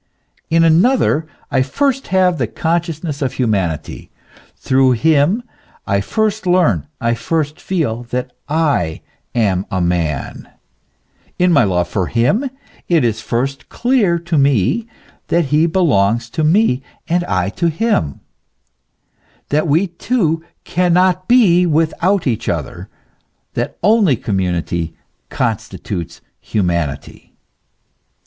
In another I first have the consciousness of humanity ; through him I first learn, I first feel, that I am a man : in my love for him it is first clear to me that he belongs to me and I to him, that we two cannot be without each other, that only com munity constitutes humanity.